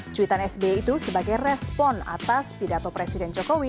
cuitan sby itu sebagai respon atas pidato presiden jokowi